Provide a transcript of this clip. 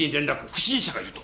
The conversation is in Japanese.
不審者がいると！